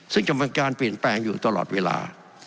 ซึ่งกำลังการเปลี่ยนแปลงอยู่ตลอดเวลา